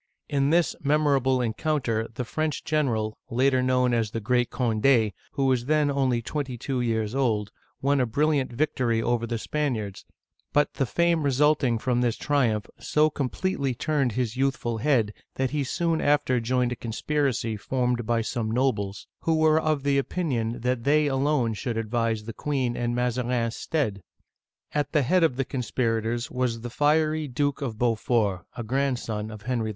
In this memorable encounter the French general, later known as the great Cond6, who was then only twenty two years pld, won a brilliant vic tory over the Spaniards ; but the fame resulting f rohi this triumph so completely turned his youthful head that he soon after joined a conspiracy formed by some nobles, who were of the opinion that they alone should advise the queen in Mazarin's stead. At the head of the conspirators was the fiery Duke of Beaufort, — a grandson of Henry IV.